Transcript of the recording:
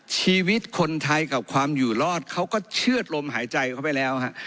ชีวิตคนไทยกับความอยู่รอดเขาก็เชื่อดลมหายใจเขาไปแล้วฮะ